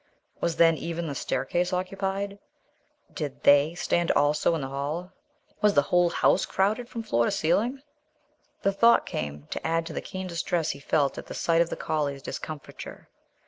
Was, then, even the staircase occupied? Did They stand also in the hall? Was the whole house crowded from floor to ceiling? The thought came to add to the keen distress he felt at the sight of the collie's discomfiture.